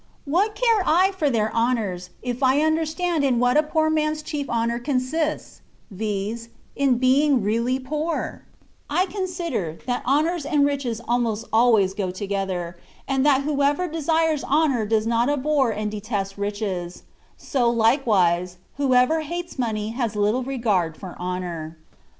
What care I for their honoiu's, if I understand in what a poor man's chief honour consists — ^viz., in being really poor ? I consider, that honours and riches almost always go together, and that whoever desires *'' £s on aeftorio gnnde" THE WAT OF PERFECTION. 7 • honour does not abhor and detest riches ; so like wise, whoever hates money has little regard for honour.